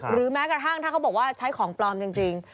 แม้กระทั่งถ้าเขาบอกว่าใช้ของปลอมจริง